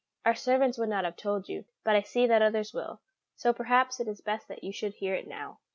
Our servants would not have told you, but I see that others will, so perhaps it is best that you should hear it now."